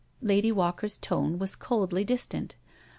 *' Lady Walker's tone was coldly distant.